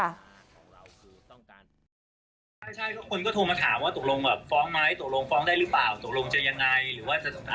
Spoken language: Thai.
ใช่คนก็โทรมาถามว่าตกลงฟ้องไหมตกลงฟ้องได้หรือเปล่า